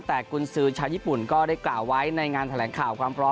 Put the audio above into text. แต่กุญสือชาวญี่ปุ่นก็ได้กล่าวไว้ในงานแถลงข่าวความพร้อม